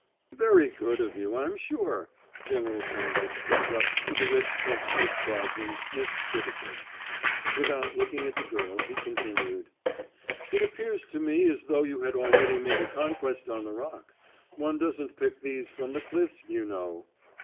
"Very good of you, I'm sure." General Crandall stepped up to the rich cluster of buds and sniffed critically. Without looking at the girl, he continued: "It appears to me as though you had already made a conquest on the Rock. One doesn't pick these from the cliffs, you know."